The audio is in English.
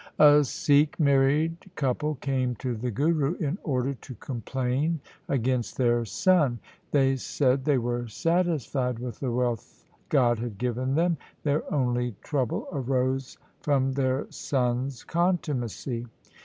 A Sikh married couple came to the Guru in order to complain against their son. They said they were satisfied with the wealth God had given them ; their only trouble arose from their son's contumacy.